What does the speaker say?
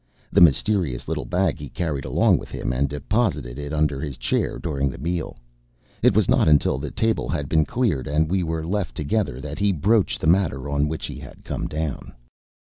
The mysterious little bag he carried along with him, and deposited it under his chair during the meal. It was not until the table had been cleared and we were left together that he broached the matter on which he had come down.